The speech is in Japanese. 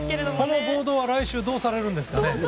このボードは来週どうされるんですかね。